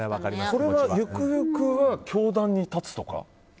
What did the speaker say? それは、ゆくゆくは教壇に立つとか？